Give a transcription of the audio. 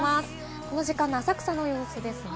この時間の浅草の様子ですが。